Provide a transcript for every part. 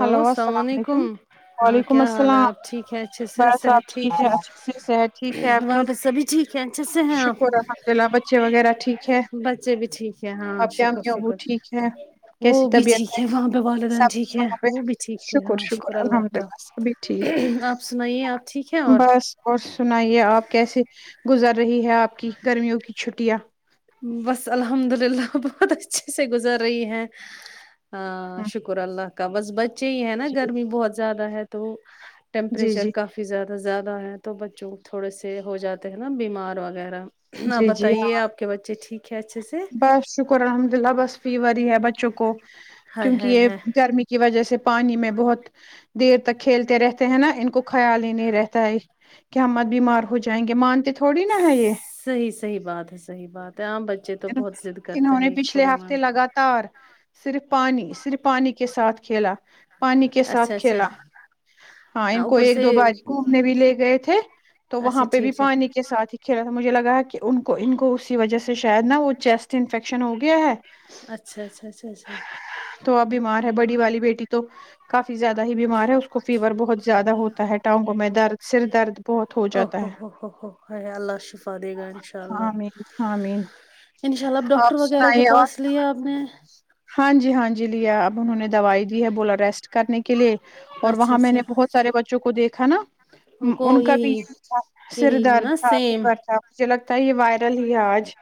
Hello السلام علیکم ہاں وعلیکم کیا حال ہے السلام آپ ٹھیک ہے اچھے سے بس آپ صحت ٹھیک ہے ہیں سے صحت ٹھیک ہے آپ وہاں کی پہ سبھی ٹھیک ہے اچھے سے ہیں آپ شکر الحمد اللہ بچے وغیرہ ٹھیک ہے بچے بھی ٹھیک ہے ہاں آپ کے شکر امی ابو شکر ٹھیک ہے وہ کیسی بھی طبیعت ٹھیک ہے وہاں پہ والدین سب ٹھیک ہے وہ بھی ٹھیک تھے شکر ہاں شکر الحمد کا اللہ سبھی ٹھیک آپ سنائیے آپ ٹھیک ہے بس اور بس اور سنائیے آپ کیسے گزر رہی ہے آپ کی گرمیوں کی چھٹیاں بس الحمد للہ بہت اچھے سے گزر رہی ہے ہاں ہوں، شکر اللہ کا بس بچ جی ہے نا گرمی بہت زیادہ ہے تو جی ٹیمپریچر جی کافی یے زیادہ زیادہ ہے تو بچوں تھوڑے سے ہو جاتے ہیں نا بیمار وغیرہ ہاں جی جی ہاں بتائیے آپ کے بچے ٹھیک ہے اچھے سے بس شکر الحمد اللہ بس فیور ہی ہے بچوں کو ہائے کیونکہ ہائے یہ ہائے گرمی کی وجہ سے پانی میں بہت دیر تک کھیلتے رہتے ہیں نا ان کو خیال ہی نہیں رہتا ہے کہ ہم مت بیمار ہو جائیں گے مانتے تھوڑی نا ہے یہ نہیں صحیح بات ہے صحیح بات ہے عام بچے تو بہت ضد کرتے ہیں ایک تھوڑی من تار صرف پانی صرف پانی کے ساتھ کھیلا پانی کے اچھا ساتھ اچھا کھیلا ہاں ان کو اوپر ایک سے دو باری گھومنے بھی لے گئے تھے تو وہاں اچھا پہ بھی ٹھیک ہے پانی کے ساتھ ہی کھیلا تھا مجھے لگا ہے کہ ان کو ان کو اسی وجہ سے شاید نا وہ چیسٹ انفیکشن ہو گیا ہے اچھا اچھا اچھا اچھا تو اب بیمار ہے بڑی والی بیٹی تو کافی زیادہ ہی بیمار ہے اس کو فیور بہت زیادہ ہوتا ہے ٹانگوں میں درد سر درد بہت ہو او جاتا ہوو ہو ہو ہو ہے اللہ شفا دے گا ان شاء ہے اللہ آمین آمین انشاء اللہ ڈاکٹر آپ وغیرہ کے سنائیے اور پاس لیا آپ نے ہاں جی ہاں جی لیا اب انہوں نے دوائی دی ہے بولا ریسٹ کرنے کے لیے اور اچھا وہاں میں نے اچھا بہت سارے بچوں کو دیکھا نا ہم کو ان کا بھی یہی یہ تھا سر یہی ہے درد نا تھا سیم فیور تھا مجھے لگتا ہے یہ وائرل ہی ہے آج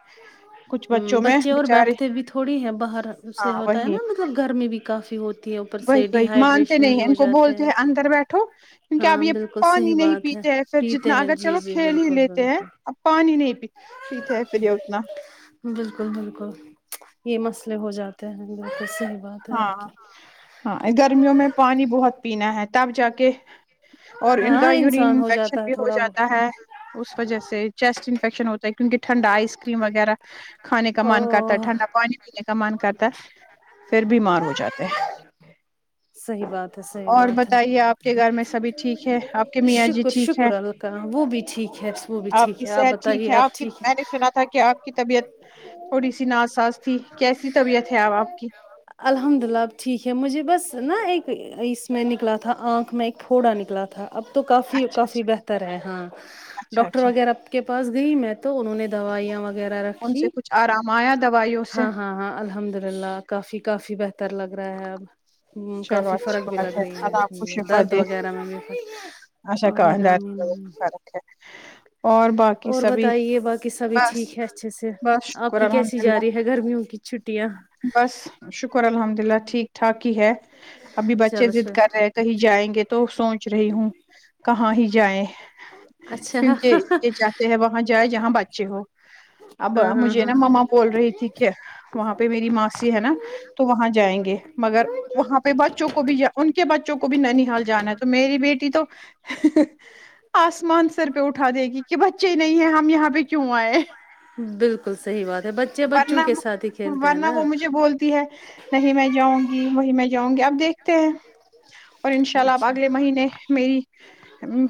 کچھ ہمم بچوں میں بچے اور بچارے بیٹھتے بھی تھوڑی ہیں باہر اس ہاں سے ہوتا ہے وہی نا گرمی بھی کافی ہو ہے اوپر وہی سے ڈی وہی مانتے ہائیڈریشن بھی نہیں ان کو جاتے بولتے ہیں اندر بیٹھو کیونکہ ہاں اب یہ بالکل صحیح پانی نہیں بات ہے پیتے ہیں پھر پیتے جتنا ہیں اگر جی چلو جی کھیل ہی بالکل لیتے ہیں بالکل اب پانی نہیں پیتے ہیں پھر یہ اتنا بالکل بالکل یہ مسئلے ہو جاتے ہیں بالکل صحیح بات ہے ہاں آپ کی ہاں گرمیوں میں پانی بہت پینا ہے تب جا کے اور ان ہاں کا یورین انسان ہو انفیکشن جاتا ہے بھی ہو تھوڑا بہت جاتا ہے اس وجہ سے چیسٹ انفیکشن ہوتا ہے کیونکہ ٹھنڈا آئس کریم وغیرہ کھانے کا من کرتا ہے او ٹھنڈا پانی پینے کا من کرتا ہے پھر بیمار ہو جاتے ہے [inaudible] صحیح بات ہے صحیح اور بات ہے بتائیے آپ کے گھر میں سبھی ٹھیک ہے آپ کے میاں جی شکر ٹھیک شکر ہے اللہ کہاں وہ بھی ٹھیک ہے وہ بھی ٹھیک کی ہے آپ صحت بتائیے ہے آپ کی ٹھیک ہے میں نے سنا تھا کہ آپ کی طبیعت تھوڑی سی ناساز تھی کیسی طبیعت ہے اب آپ کی الحمد للہ اب ٹھیک ہے مجھے بس نا ایک اس میں نکلا تھا آنکھ میں ایک پھوڑا نکلا تھا اب تو کافی اچھا کافی اچھا بہتر ہے ہاں اچھا ڈاکٹر اچھا وغیرہ کے پاس گئی میں تو انہوں نے دوائیاں وغیرہ رکھ ان سے جی کچھ آرام آیا دوائیوں سے ہاں ہاں ہاں الحمد للہ کافی کافی بہتر لگ رہا ہے اب ہوں چلو کافی اچھی فرق بھی لگ بات رہی ہے اللہ آپ درد وغیرہ میں بھی ا شا کا آمین درد آمین آمین فرق ہے اور باقی اور سبھی بتائیے باقی سبھی بس ٹھیک ہے اچھے سے بس آپ شکر کی کیسی الحمد جا للہ رہی ہے یہ گرمیوں کی چھٹیاں بس شکر الحمد اللہ ٹھیک ٹھاک ہی ہے ابھی بچے چلو ضد چلو کر رہے کہیں جائیں گے تو سوچ رہی ہوں کہاں ہی جائے اچھا ہاں کیونکہ یہ چاہتے ہیں وہاں جائے جہاں بچے ہو اب ہاں مجھے ہاں نا مما بول رہی ٹھیک ہے پہ میری ماسی ہے نا تو وہاں جائیں گے مگر وہاں پہ بچوں کو بھی ان کے بچوں کو بھی نانیحال جانا ہے تو میری بیٹی تو آسمان سر پہ اٹھا دے گی کہ بچے نہیں ہے ہم یہاں پہ کیوں آئے بالکل صحیح بات ہے بچے ورنہ بچوں کے ساتھ ہی کھیل ورنہ وہ مجھے بولتی ہے نہیں میں جاؤں گی وہی میں جاؤں گی اب دیکھتے ہیں پر ان شاء اللہ اب اچھا اگلے مہینے میری م۔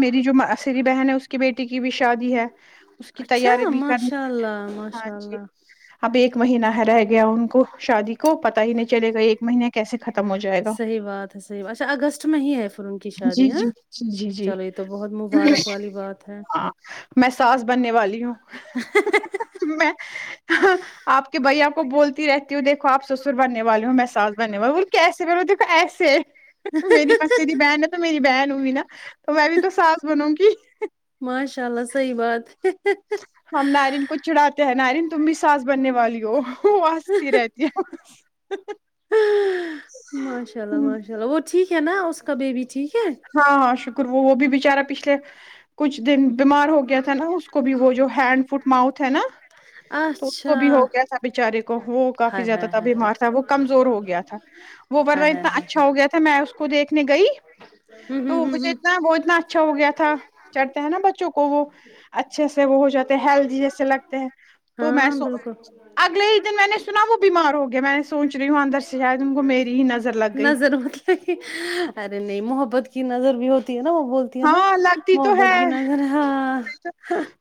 میری جو مسیری بہن ہے اس کی بیٹے کی بھی شادی ہے اس کی اچھا تیاری بھی کرنی ماشاء ہے اللہ ہاں ماشاء جی اللہ اب ایک مہینہ ہے رہ گیا ان کو شادی کو پتا ہی نہیں چلے گا ایک مہینے کیسے ختم ہو جائے گا صحیح بات ہے صحیح بات۔ اچھا اگست میں ہی ہے پھر ان کی جی شادی ہاں جی جی جی جی چلو یہ تو بہت مبارک والی بات ہے ہاں میں ساس بننے والی ہوں ہے۔ ہے۔ ہے۔ میں آپ کے بھیا کو بولتی رہتی ہوں دیکھو آپ سسر بننے والے ہو میں ساس بننے والے وہ بولے کے کیسے میں بولی دیکھو ایسے سے میری مسیری بہن ہے تو میری بہن ہوی نا تو میں بھی تو ساس بنوں گی ماشاء اللہ صحیح بات ہے ہیں۔ ہیں۔ ہم نارین کو چڑھاتے ہیں نارین تم بھی سانس بننے والی ہو وہ ہنستی رہتی ہے ہی ہی ہی ماشاء اللہ ماشاء اللہ وہ ٹھیک ہے نا اس کا بیبی ٹھیک ہے ہاں ہاں شکر وہ وہ بھی بچارا پچھلے کچھ دن بیمار ہو گیا تو نا اس کو بھی وہ جو ہینڈ فٹ ماؤتھ ہے نا تو اس کو اچھا بھی ہو گیا تھا بچارے کو ہوں کافی ہائے زیادہ ہائے تھا ہائے ہائے بیمار تھا وہ کمزور ہو گیا تھا وہ ورنہ ہائے ہائے اتنا ہائے اچھا ہائے۔ ہو گیا تھا میں اس کو دیکھنے گئی ہوں تو ہوں ہوں مجھے ہوں اتنا وہ اتنا اچھا ہو گیا تھا چڑھتے ہیں نا بچوں کو وہ جیسے وہ ہو جاتے ہیلدی جیسے لگتے ہیں تو میں ہاں سو بالکل اگلے ہی دن میں نے سنا وہ بیمار ہو گیا میں نے سوچ رہی ہوں اندر سے شاید انکو میری ہی نظر لگ گئی نظر مطلب ارے نہیں محبت کی نظر بھی ہوتی ہے نا وہ تی نا ہاں لگتی تو ہے محبت کی نظر ہاں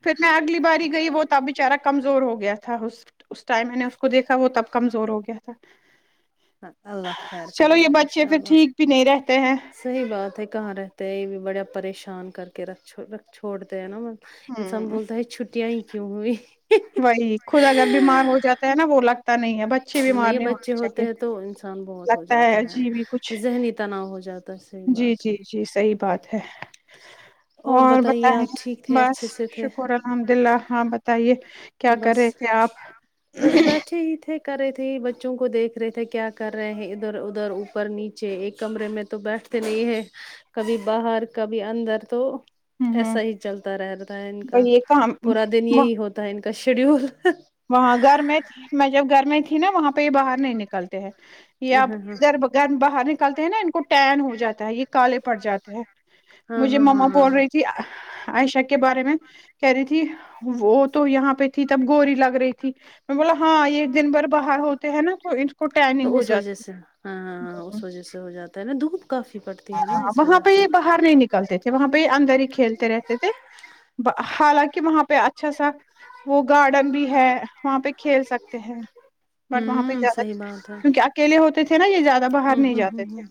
پھر میں اگلی باری گئی وہ تب بچارہ کمزور ہو گیا تھا اس ٹائم میں نے اس کو دیکھا وہ تب کمزور ہو گیا تھا اللہ خیر چلو کرے یہ گا بچے انشاء پھر اللہ ٹھیک بھی نہیں رہتے ہیں صحیح بات ہے کہاں رہتے ہیں یہ بھی بڑا پریشان کر کے رکھ رکھ چھوڑتے ہیں نا ب انسان ہوں بولتا ہے چھٹیاں ہی کیوں ہوئی وہی خود اگر بیمار ہو جا تا ہے نا بولا پ نہیں ہے بچے بیمار یہ نہیں ہونے بچے ہوتے چاہیے ہیں تو انسان بہت ہو لگتا ہے جاتا عجیب ہی کچھ ہے ذہنی تناؤ ہو جاتا ہے صحیح جی بات ہے جی جی صحیح بات ہے اور بتائیے بتاے آپ ٹھیک تھے بس اچھے سے تھے شکر الحمد اللہ ہاں بتائیے کیا کر رہے تھے آپ اچھے ہی تھے کر رہے تھے بچوں کو دیکھ رہے تھے کیا کر رہے ہیں ادھر ادھر اوپر نیچے ایک کمرے میں تو بیٹھتے نہیں ہے کبھی باہر کبھی اندر تو ہوں ایسا ہی چلتا رہتا ہے ان کا بھائی یہ کام پورا دن وہ- یہی ہو تا ان کا شیڈیول وہاں گھر میں میں جب گھر میں تھی نا وہاں پہ یہ باہر نہیں نکلتے ہیں یا اب ہاں ہاں ہاں ادھر گھر باہر نکلتے ہیں نا ان کو ٹین ہو جاتا ہے یہ کالے پڑ جاتے ہیں ہاں مجھے ہاں ہاں مما ہاں بول ہاں رہی عائشہ کے بارے میں کہہ رہی تھی وہ تو یہاں پہ تھی تب گوری لگ رہی تھی میں بولا ہاں یہ دن بھر باہر ہو ہوتے ہیں نا تو ان کو تو ٹیننگ اس وجہ جاتی سے ہاں ہے۔ اس وجہ سے ہو جاتا ہے نا دھوپ کافی پڑ ہاں وہاں پہ باہر نہیں نکلتے تھے وہاں پہ یہ اندر ہی کھیلتے رہتے تھے حالانکہ وہاں پہ اچھا سا وہ گارڈن بھی ہے وہاں پہ کھیل سکتے ہیں بٹ وہاں پہ ہوں زیادہ صحیح بات ہے کیونکہ اکیلے ہوتے تھے نا یہ زیادہ باہر ہوں نہیں ہوں ہوں جاتے تھے ہوں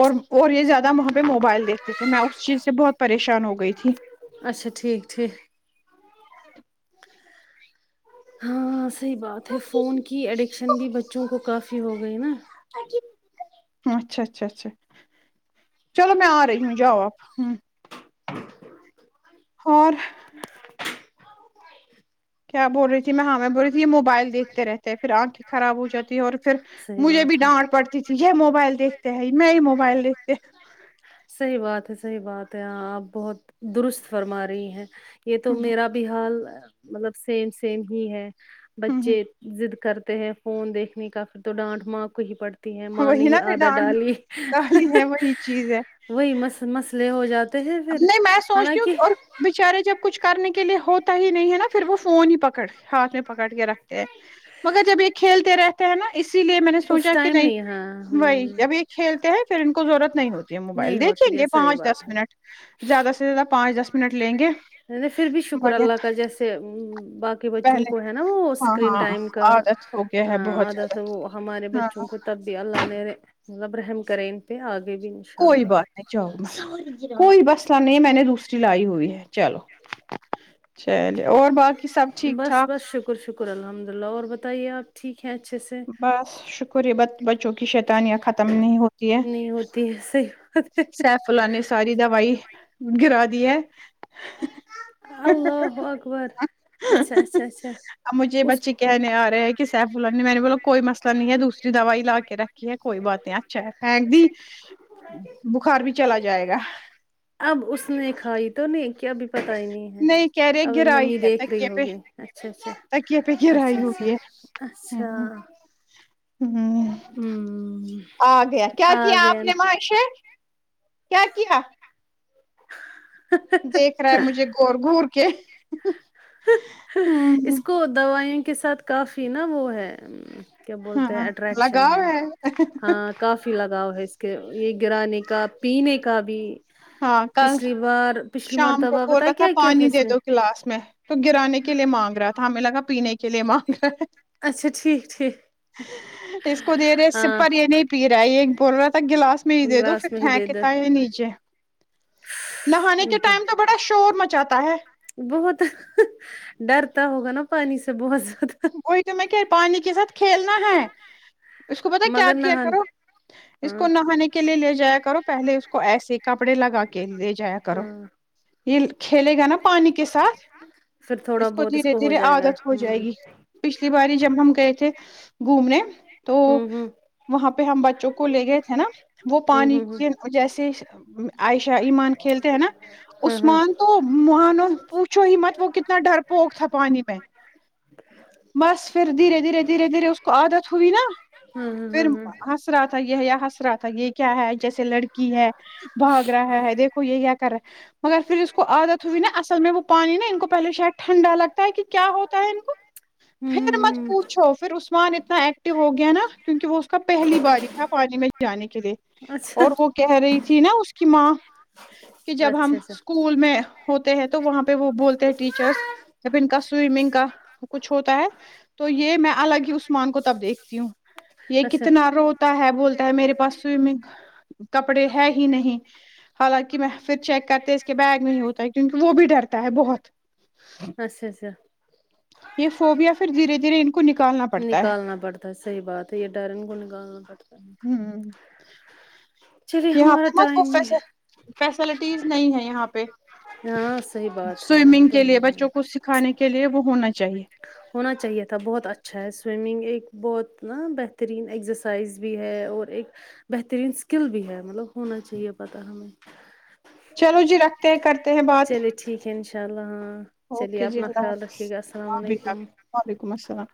اور اور یہ زیادہ وہاں پہ موبائل دیکھتے تھے میں اس چیز سے بہت پریشان ہو گئی تھی اچھا ٹھیک ٹھیک ہاں صحیح بات ہے فون کی ایڈکشن بھی بچوں کو کافی ہو گئی نا اچھا اچھا اچھا چلو میں آ رہی ہوں جاؤ ہمم اور کیا بول رہی تھی میں ہاں میں میں بول رہی تھی یہ موبائل دیکھتے ہیں پھر آنکھیں خراب ہو جاتی ہے اور پھر صحیح مجھے بھی بات ہے ڈانٹ پڑتی تھی یہ موبائل دیکھتے ہیں میں ہی موبائل دیکھتے صحیح بات ہے صحیح بات ہے ہاں آپ بہت درست فرما رہی ہیں یہ تو ہ میرا بھی حال مطلب سیم سیم ہی ہے بچے ہ ضد کرتے ہیں فون دیکھنے کا پھر تو ڈانٹ ماں کو ہی پڑ تی ہیں ماں نے وہی نا ہی پھر آدھا ڈانٹ ڈالی گالی ہے وہی چیز ہے وہی مس مسئلے ہو جات ہیں اب پھر نہیں میں سوچتی ہوں حالانکہ کہ، اور بچارے جب کچھ کرنے کے لیے ہوتا ہی نہیں ہے نا پھر وہ فون ہی پکڑ ہاتھ میں پکڑ کے رکھتے ہیں مگر جب یہ کھیلتے رہتے ہیں نا اسی لیے میں نے اس سوچا کہ ٹائم نہیں ہاں ہ وہی ابھی کھیلتے ہیں پھر ان کو ضرورت نہیں ہوتی ہے نہیں موبائل دیکھیں ہوتی ہے گے صحیح پانچ دس بات ہے منٹ زیادہ سے زیادہ پانچ دس منٹ لیں گے پھر بھی شکر مگر اللہ کا جیسے ام باقی بچوں پہلے کو ہے نا وہ ہاں اسکرین ہاں ٹائم کا عادت ہو گیا ہے ہاں بہت زیادہ عادت ہے وہ ہمارے ہاں بچوں کو تب پے اللہ نے مطلب رحم کرے ان پہ آگے بھی انشاء کوئی بات اللہ نہیں جاو بس کوئی مسلہ نہیں میں نے دوسری لائی ہوئی ہے چلو چلے اور باقی سب ٹھیک بس ٹھاک بس شکر شکر الحمد للہ اور بتائیے آپ ٹھیک ہے اچھے سے بس شکر ہے ب بچوں کی شیطانیاں ختم نہیں ہوتی ہے تھی سی سیفاللہ نے ساری دوائی گرا دی ہے اللہ اکبر اچھا اچھا اچھا اب مجھے یہ اس بچے کہنے آ رہے ہیں کہ سیفاللہ میں نے بولاو کوئی مسئلہ نہیں ہے دوسری دوائی لا کے رکھ کی ہے کوئی بات نہیں اچھا ہے پھینک دی بخار بھی چلا جائے گا اب اس نے کھائی تو نہیں کیا ابی پتا ہی نہیں ہے کہہ رہے ابھی ممی دیکھ رہی ہوگی اچھا اچھا تکیہ پے گرائی اچھا ہوگی اچھا یہ اچھا ہوں ہوں آ گیا کیا آ کیا آپ گیا نے مہاشے کیا کیا دیکھ رہا ہے مجھے گور گھور کے اس ہوں کو دوائیوں کے ساتھ کافی نا وہ ہے وں کیا بولتے ہیں ہاں اٹریکشن لگاؤ ہے ہے ہاں کا فی لگاؤ ہے اس کے یہ گرانے کا پینے کا بھی ہاں کل پچھلی بار پچھلی شام کو مرتبہ بول پتا رہا ہے تھا کیا کیا پانی اس دے نے دو گلاس میں تو گرانے کے لیے مانگ رہا تھا ہمیں لگا پینے کے لیے مانگ رہا ہے اچھا ٹھیک ٹھیک اس کو دے رہے ہاں سپر یہ نہیں پی رہا ہے یہ بول رہا گلاس می ہی دے دو پھر گلاس میں ہی دے دو پھیکتا ہے یہ نیچے نہانے کے ٹائم تو بڑا شور مچاتا ہے بہت ڈرتا ہوگا نا پانی سے بہت زیادہ کوئی تو میں کہہ پانی کے ساتھ کھیلنا ہے اس کو پتا کیا مگر کیا کرو نہانا اس ہاں کو نہانے کے لیے لے جایا کرو پہلے اس کو ایسے کپڑے لگا کے لے جایا کرو ہاں یہ کھیلے گا نا پانی کے ساتھ پھر تھوڑا اس کو بہت دھیرے ہو دھیرے جائے گا عادت ہو ہ جائے گی پچھلی باری جب ہم گئے تھے گھومنے تو ہ ہ وہاں پہ ہم بچوں کو لے گئے تھے نا وہ ہ پانی ہ ہ کے جیسے عائشہ ایمان کھیلتے ہیں نا ہاں ہاں عثمان تو مانو پوچھو ہی مت وہ کتنا ڈر پوک تھا پانی میں بس پھر دھیرے دھیرے دھیرے دھیرے اس کو عادت ہوئی نا ہاں ہاں پھر ہاں ہنس رہا تھا یہ یا ہنس رہا تھا یہ کیا ہے جیسے لڑکی ہے بھاگ رہا ہے ہے دیکھو یہ کیا کر رہا ہے مگر پھر اس کو عادت ہوئی نا اصل میں وہ پانی نا ان کو پہلے شاید ٹھنڈا لگتا ہے کہ کیا ہوتا ہے ان کو ہاں پھر ہوں مت ہوں پوچھو پھر اس عثمان اتنا ایکٹو ہو گیا نا کیونکہ وہ اس کا پہلی باری تھا پانی میں جانے کے لیے اچھا اور وہ کہہ رہی تھی نا اس کی ماں کہ جب ہم اچھا اچھا اسکو اسکول میں ہوتے ہیں تو وہاں پہ وہ بولتے ہیں ٹیچرس جب ان کا سوئمنگ کا کچھ ہوتا ہے تو یہ میں الگ ہی عثمان کو تب دیکھتی ہوں یہ اچھا کتنا روتا ہے بولتا ہے میرے پاس سویمنگ کپڑے ہے ہی نہیں حالانکہ میں پھر چیک کرتے اس کے بیگ میں ہی ہوتا ہے کیونکہ وہ بھی ڈرتا ہے بہت اچھا اچھا یہ فوبیا پھر دھیرے دھیرے ان کو نکالنا پڑتا ہے نکالنا پڑتا ہے صحیح بات ہے یہ ڈر ان کو نکالنا پڑتا ہے ہوں چلیے یہاں ہمارا پے ٹائم بھی [unintelligible] فیسلٹیز نہیں ہے یہاں پہ ہاں صحیح بات ہے وہ تو نہیں ہے کھانے کے لیے وہ ہونا چاہیے ہونا چاہیے تھا بہت اچھا ہے سوئمنگ ایک بہت نا بہترین ایکزر سائز بھی ہے اور ایک بہترین اسکل بھی ہے مطلب ہونا چاہیے پتہ ہمیں چلو جی رکھتے ہیں کرتے ہیں بات چلیے ٹھیک ہے ان شاء اللہ اں اوکے جی اللہ حافظ مبیکم علیکم وعلیکم السلام